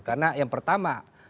karena yang pertama